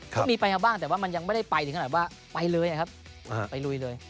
ก็มีไปมาบ้างแต่ว่ามันยังไม่ได้ไปถึงขนาดว่าไปเลยครับไปลุยเลย